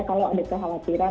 kalau ada kekhawatiran